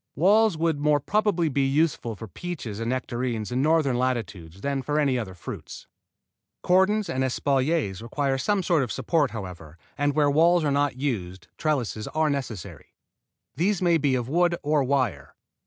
Walls would more probably be useful for peaches and nectarines in northern latitudes than for any other fruits. Cordons and espaliers require some sort of support, however, and where walls are not used trellises are necessary. These may be of wood or wire.